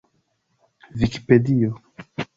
vikipedio